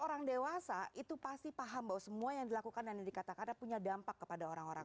orang dewasa itu pasti paham bahwa semua yang dilakukan dan dikatakan punya dampak kepada orang orang